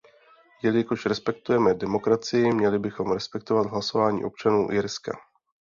Jelikož respektujeme demokracii, měli bychom respektovat hlasování občanů Irska.